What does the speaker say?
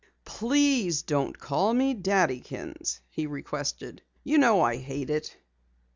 "Please don't call me Daddykins," he requested. "You know I hate it.